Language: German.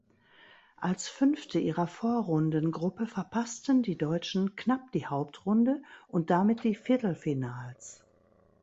Als Fünfte ihrer Vorrundengruppe verpassten die Deutschen knapp die Hauptrunde und damit die Viertelfinals.